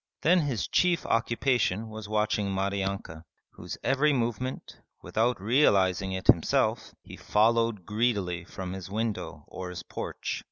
Then his chief occupation was watching Maryanka, whose every movement, without realizing it himself, he followed greedily from his window or his porch.